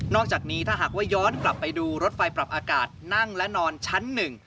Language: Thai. อกจากนี้ถ้าหากว่าย้อนกลับไปดูรถไฟปรับอากาศนั่งและนอนชั้นหนึ่ง